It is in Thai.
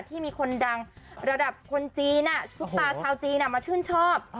ที่มีคนดังระดับคนจีนซุปตาชาวจีนมาชื่นชอบ